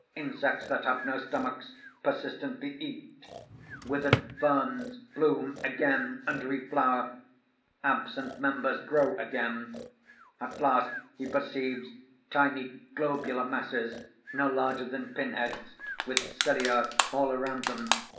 _ Insects that have no stomachs persistently eat; withered ferns bloom again and reflower; absent members grow again. _At last he perceives tiny globular masses, no larger than pinheads, with cilia all round them.